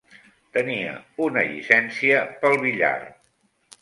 Tenia una llicència pel billar.